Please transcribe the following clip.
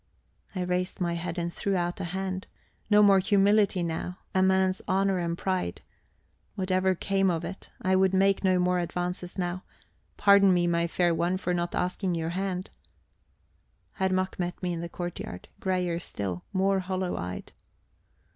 I raised my head and threw out a hand. No more humility now a man's honour and pride! Whatever came of it, I would make no more advances now. Pardon me, my fair one, for not asking your hand... Herr Mack met me in the courtyard, greyer still, more hollow eyed.